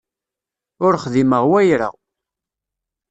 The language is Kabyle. Ur xdimeɣ wayra.